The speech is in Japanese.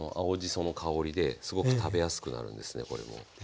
その香りですごく食べやすくなるんですねこれも。